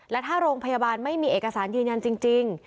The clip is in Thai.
และถ้าโรงพยาบาลไม่มีเอกสารยืนยันจริง